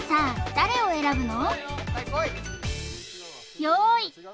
誰を選ぶの？